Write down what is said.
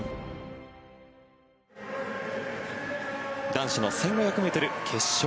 男子の１５００ｍ決勝。